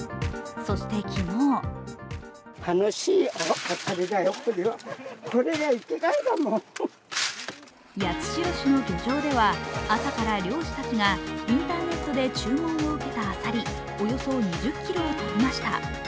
そして昨日八代市の漁場では朝から漁師たちがインターネットで注文を受けたアサリおよそ２０ｋｇをとりました。